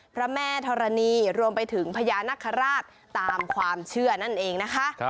พระแม่ธรณีรวมไปถึงพญานคราชตามความเชื่อนั่นเองนะคะ